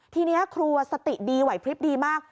ทีนี้ครัวสติดีไหวพลิบดีมาก